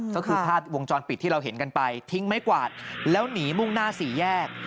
ก็คือภาพวงจรปิดที่เราเห็นกันไปทิ้งไม้กวาดแล้วหนีมุ่งหน้าสี่แยก